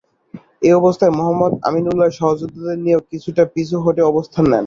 এ অবস্থায় মোহাম্মদ আমিন উল্লাহ সহযোদ্ধাদের নিয়ে কিছুটা পিছু হটে অবস্থান নেন।